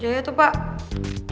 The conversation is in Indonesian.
jaya tuh pak